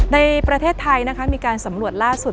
ในประเทศไทยนะคะมีการสำรวจล่าสุด